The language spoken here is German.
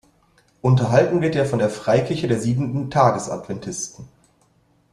Unterhalten wird er von der Freikirche der Siebenten-Tags-Adventisten.